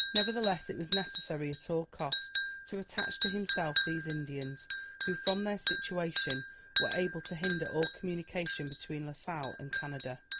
Nevertheless, it was necessary, at all cost, to attach to himself these Indians, who from their situation, were able to hinder all communication between La Sale and Canada.